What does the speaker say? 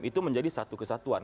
itu menjadi satu kesatuan